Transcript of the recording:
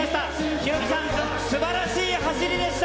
ヒロミさん、すばらしい走りでした。